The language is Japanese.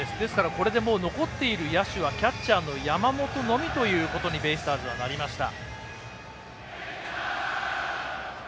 これでもう残っている野手はキャッチャーの山本のみということにベイスターズはなりました。